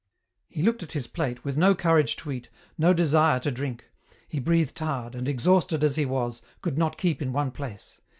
He looked at his plate, with no courage to eat, no desire to drink ; he breathed hard, and, exhausted as he was, could not keep in one place.